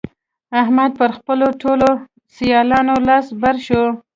احمد پر خپلو ټولو سيالانو لاس بر شو.